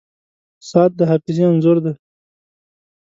• ساعت د حافظې انځور دی.